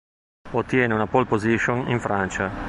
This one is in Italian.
Ottiene una pole position in Francia.